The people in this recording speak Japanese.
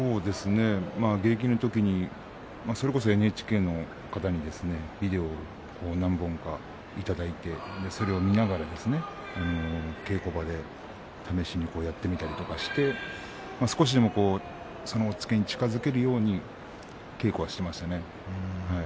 現役のときにそれこそＮＨＫの方にビデオを何本かいただいてそれを見ながら稽古場で試しにやってみたりとかして少しでもその押っつけに近づけるように稽古をしていましたね。